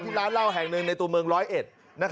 ร้านเหล้าแห่งหนึ่งในตัวเมืองร้อยเอ็ด